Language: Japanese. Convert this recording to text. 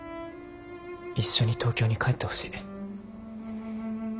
一緒に東京に帰ってほしい。